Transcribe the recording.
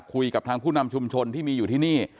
คุยกับทางผู้นำชุมชนที่มีอยู่ที่นี่